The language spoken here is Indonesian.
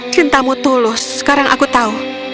cintamu tulus sekarang aku tahu